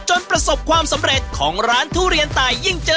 จนประสบความสำเร็จของร้านทุเรียนไต